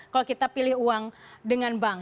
kalau kita pilih uang dengan bank